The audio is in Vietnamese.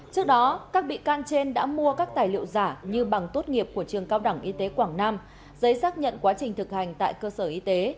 trước đó các bị can trên đã mua các tài liệu giả như bằng tốt nghiệp của trường cao đẳng y tế quảng nam giấy xác nhận quá trình thực hành tại cơ sở y tế